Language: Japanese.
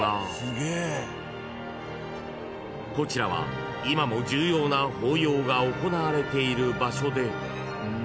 ［こちらは今も重要な法要が行われている場所で］